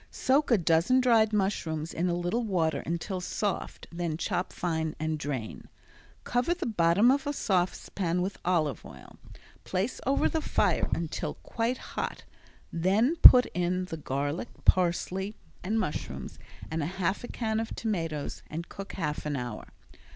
Soak a dozen dried mushrooms in a little water until soft, then chop fine and drain. Cover the bottom of a saucepan with olive oil, place over the fire until quite hot, then put in the garlic, parsley, and mushrooms, add half a can of tomatoes and cook half an hour.